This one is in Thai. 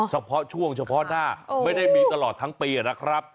เฉพาะช่วงเฉพาะหน้าไม่ได้มีตลอดทั้งปีนะครับ